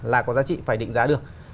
là có giá trị phải định giá được